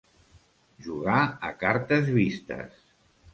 Jugar a cartes vistes.